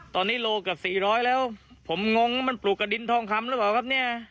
ตอนนี้โลกับ๔๐๐แล้วผมงงมันปลูกกับดินทองคำหรือเปล่าครับ